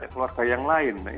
keluarga yang lain